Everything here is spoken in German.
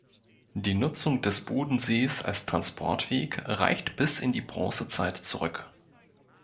Die Nutzung des Bodensees als Transportweg reicht bis in die Bronzezeit zurück.